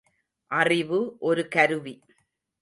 அறிவு ஒரு கருவி.